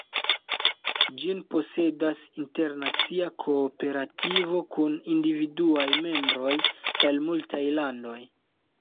Ĝin posedas internacia kooperativo kun individuaj membroj el multaj landoj.